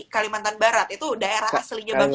kalimantan barat itu daerah aslinya bagus